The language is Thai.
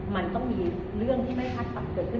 มันต้องมีเรื่องไม่พัดพัดตะเกิดขึ้น